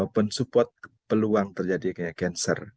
pen support peluang terjadi kayak cancer